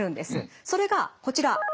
それがこちら。